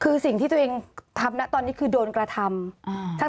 คือสิ่งที่ตัวเองทำนะตอนนี้คือโดนกระทำ